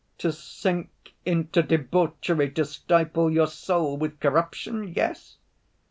"To sink into debauchery, to stifle your soul with corruption, yes?"